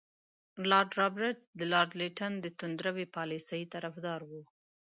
لارډ رابرټس د لارډ لیټن د توندروي پالیسۍ طرفدار وو.